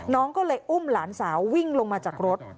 น้องก็เลยอุ้มหลานสาววิ่งลงมาจากรถ